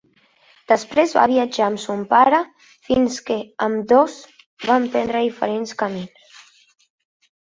Després va viatjar amb son pare fins que ambdós van prendre diferents camins.